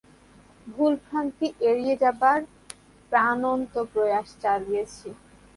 ভুল-ভ্রান্তি এড়িয়ে যাবার প্রাণান্ত প্রয়াস চালিয়েছি।